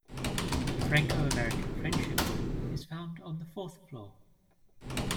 The Franco-American friendship room is found on the fourth floor.